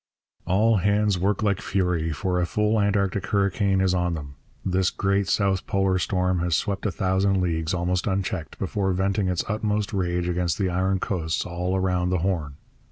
All hands work like fury, for a full Antarctic hurricane is on them. This great South Polar storm has swept a thousand leagues, almost unchecked, before venting its utmost rage against the iron coasts all round the Horn.